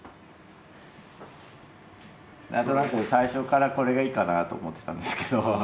なんとなく最初っからこれがいいかなと思ってたんですけど。